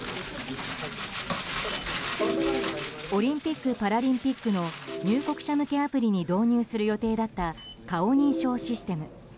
オリンピック・パラリンピックの入国者向けアプリに導入する予定だった顔認証システム。